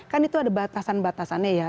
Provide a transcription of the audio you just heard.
kan itu ada batasan batasannya ya